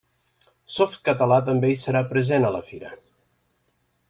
Softcatalà també hi serà present a la fira.